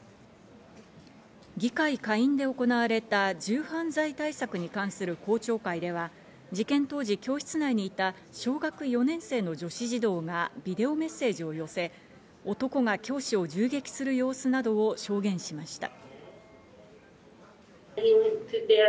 議会下院で行われた銃犯罪対策に関する公聴会では、事件当時、教室内にいた小学４年生の女子児童がビデオメッセージを寄せ、男が教師を銃撃する様子などを証言しました。